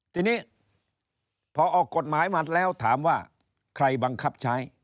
ทีนี้พอออกกฎหมายมาแล้วถามว่าใครบังคับใช้